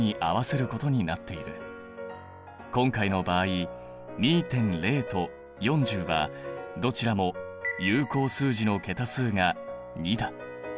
今回の場合２．０と４０はどちらも有効数字の桁数が２だ。